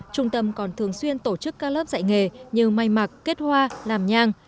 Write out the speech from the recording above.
trung tâm còn thường xuyên tổ chức các lớp dạy nghề như may mặc kết hoa làm nhang